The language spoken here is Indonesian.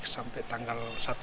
sampai tanggal satu